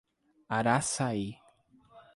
Araçaí